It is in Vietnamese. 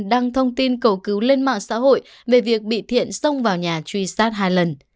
đăng thông tin cầu cứu lên mạng xã hội về việc bị thiện xông vào nhà truy sát hai lần